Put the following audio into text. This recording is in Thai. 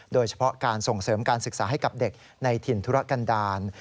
โดยเฉพาะการส่งเสริมการศึกษาให้กับเด็กในถิ่นธุรกันดาล